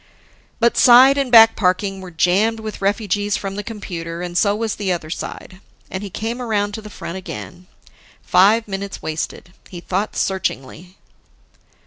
But side and back parking were jammed with refugees from the computer, and so was the other side. And he came around to the front again. Five minutes wasted. He thought searchingly.